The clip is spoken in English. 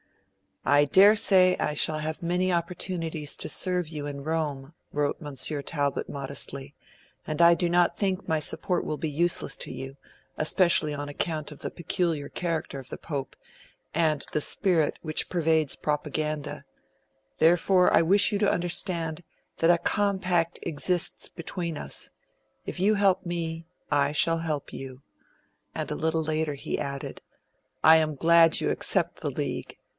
'I daresay I shall have many opportunities to serve you in Rome,' wrote Monsignor Talbot modestly, 'and I do not think any support will be useless to you, especially on account of the peculiar character of the Pope, and the spirit which pervades Propaganda; therefore, I wish you to understand that a compact exists between us; if you help me, I shall help you.' And a little later he added, 'I am glad you accept the league.